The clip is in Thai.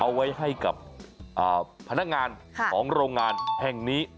เอาไว้ให้กับพนักงานของโรงงานแห่งนี้